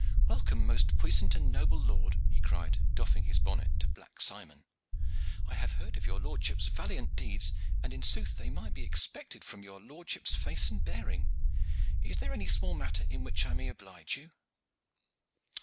"Welcome, most puissant and noble lord," he cried, doffing his bonnet to Black Simon. "I have heard of your lordship's valiant deeds, and in sooth they might be expected from your lordship's face and bearing. Is there any small matter in which I may oblige you?"